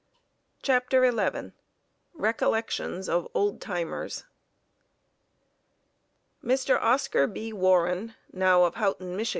CHAPTER XI Recollections of "Old Timers" Mr. Oscar B. Warren, now of Houghton, Mich.